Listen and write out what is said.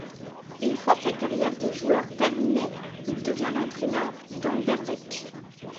Une fois sa carrière de joueur terminée, il devient l'entraîneur d'Anderlecht.